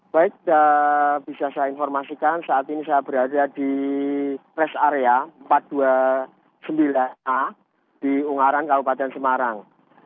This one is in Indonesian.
baik bisa saya informasikan saat ini saya berada di rest area empat ratus dua puluh sembilan a di ungaran kabupaten semarang